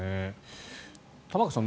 玉川さん